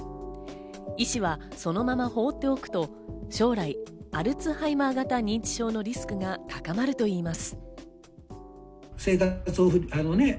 医師はそのまま放っておくと将来、アルツハイマー型認知症のリスクが高まるといいます。